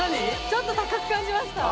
ちょっと高く感じました。